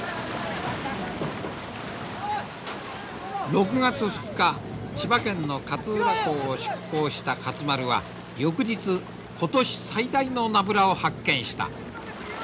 ６月２日千葉県の勝浦港を出港した勝丸は翌日今年最大のナブラを発見した。